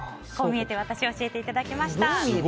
こう見えてワタシ教えていただきました。